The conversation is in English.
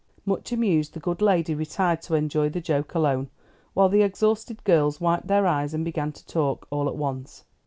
Much amused, the good lady retired to enjoy the joke alone, while the exhausted girls wiped their eyes and began to talk, all at once.